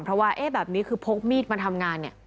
เพราะว่าเอ๊ะแบบนี้คือพกมีดมาทำงานเนี่ย